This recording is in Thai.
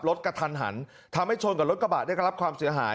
กระทันหันทำให้ชนกับรถกระบะได้รับความเสียหาย